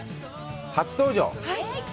初登場！